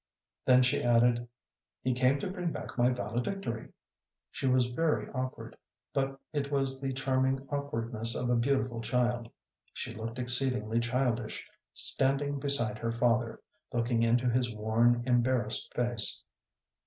Then she added, "He came to bring back my valedictory." She was very awkward, but it was the charming awkwardness of a beautiful child. She looked exceedingly childish standing beside her father, looking into his worn, embarrassed face.